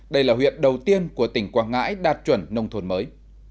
đây là huyện đầu tiên của tỉnh quảng ngãi đạt chuẩn nông thôn mới